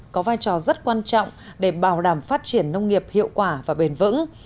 có vai trò rất quan trọng để bảo đảm phát triển nông nghiệp hiệu quả và bền vững